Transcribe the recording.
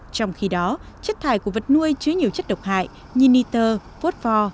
trong khi đó chất thải của vật nuôi chứa nhiều chất độc hại như niter vốt vò